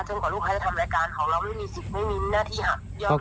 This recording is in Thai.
กว่าลูกค้าจะทำรายการของเราไม่มีสิทธิ์ไม่มีหน้าที่หักยอก